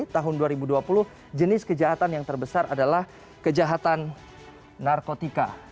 tahun dua ribu dua puluh jenis kejahatan yang terbesar adalah kejahatan narkotika